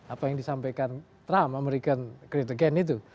apa yang disampaikan trump american great again itu